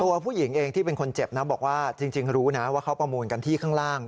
ตัวผู้หญิงเองที่เป็นคนเจ็บนะบอกว่าจริงรู้นะว่าเขาประมูลกันที่ข้างล่าง